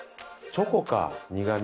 チョコの苦み